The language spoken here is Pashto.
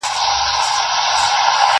نور پخلا یو زموږ او ستاسي دي دوستي وي.!